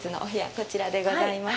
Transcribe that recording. こちらでございます。